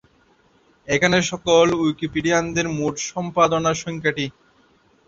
এখানে সকল উইকিপিডিয়ানদের মোট সম্পাদনার সংখ্যা টি।